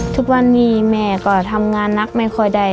ทุกวันนี้แม่ก็ทำงานนักไม่ค่อยได้